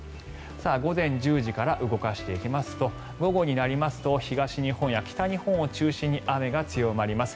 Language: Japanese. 午前１０時から動かしていきますと午後になりますと東日本や北日本を中心に雨が強まります。